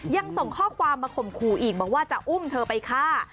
ยังส่งข้อความมาข่มขู่อีกบอกว่าจะอุ้มเธอไปฆ่า